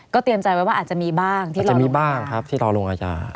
ก็เตรียมใจไว้ว่าอาจจะมีบ้างที่รอลงอาญา